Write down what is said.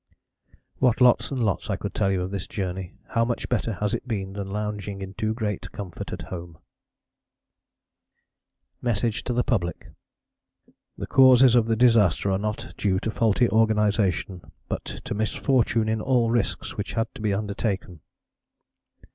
"What lots and lots I could tell you of this journey. How much better has it been than lounging in too great comfort at home." MESSAGE TO THE PUBLIC The causes of the disaster are not due to faulty organization, but to misfortune in all risks which had to be undertaken.